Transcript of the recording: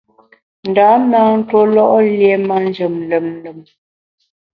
Ndam na ntuólo’ lié manjem lùm lùm.